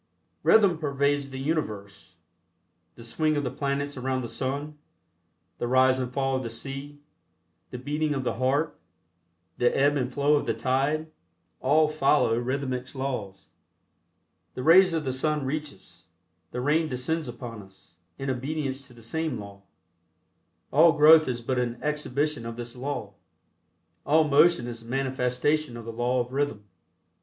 Rhythm pervades the universe. The swing of the planets around the sun; the rise and fall of the sea; the beating of the heart; the ebb and flow of the tide; all follow rhythmics laws. The rays of the sun reach us; the rain descends upon us, in obedience to the same law. All growth is but an exhibition of this law. All motion is a manifestation of the law of rhythm.